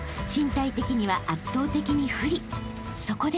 ［そこで］